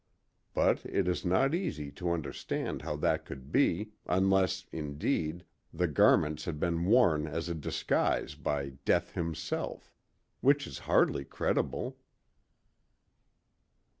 But it is not easy to understand how that could be, unless, indeed, the garments had been worn as a disguise by Death himself—which is hardly credible.